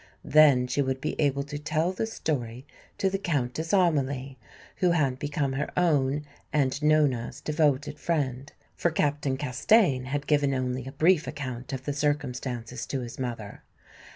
Then she would be able to tell the story to the Countess Amelie, who had become her own and Nona's devoted friend. For Captain Castaigne had given only a brief account of the circumstances to his mother.